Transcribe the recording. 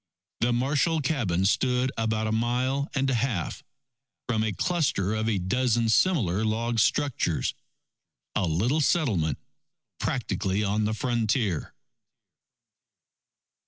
The Marshall cabin stood about a mile and a half from a cluster of a dozen similar log structures, a little settlement practically on the frontier.